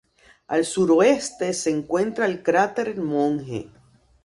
Al suroeste se encuentra el cráter Monge.